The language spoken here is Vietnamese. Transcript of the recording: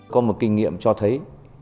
có một kinh nghiệm cho thấy